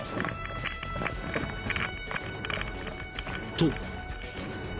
［と］